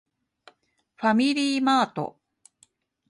ファミリーマート